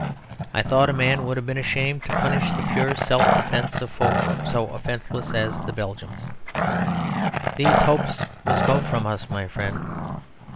I thought a man would have been ashamed to punish the pure self defence of folk so offenceless as the Belgians. These hopes must go from us, my friend.